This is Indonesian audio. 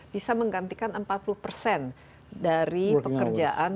bisa menggantikan empat puluh persen dari pekerjaan